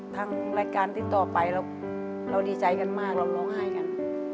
ทางรายการติดต่อไปเราดีใจกันมากเราร้องไห้กัน